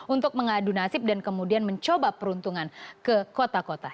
untuk mengadu nasib dan kemudian mencoba peruntungan ke kota kota